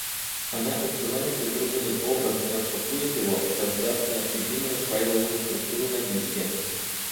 Она установит загруженный образ: распакует его, создаст необходимую файловую структуру на диске